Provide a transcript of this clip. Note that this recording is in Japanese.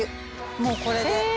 もうこれで。え！